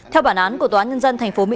theo bản án của tòa nhân dân tp hcm